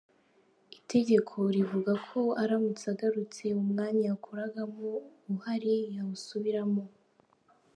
Itegeko rivuga ko aramutse agarutse umwanya yakoragamo uhari yawusubiramo.